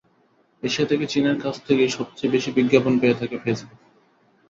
Asia থেকে চীনের কাছ থেকেই সবচেয়ে বেশি বিজ্ঞাপন পেয়ে থাকে ফেসবুক।